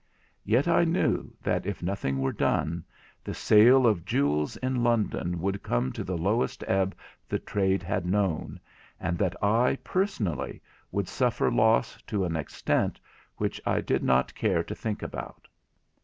Yet I knew that if nothing were done, the sale of jewels in London would come to the lowest ebb the trade had known, and that I, personally, should suffer loss to an extent which I did not care to think about.